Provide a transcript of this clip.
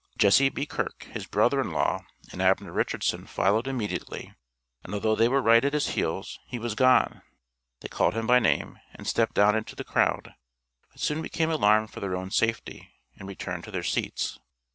Jesse B. Kirk, his brother in law and Abner Richardson followed immediately, and although they were right at his heels, he was gone; they called him by name, and stepped down into the crowd, but soon became alarmed for their own safety, and returned to their seats.